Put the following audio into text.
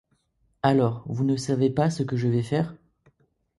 Alors, vous ne savez pas ce que je vais faire?